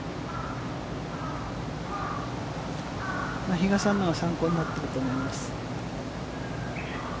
比嘉さんのが参考になっていると思います。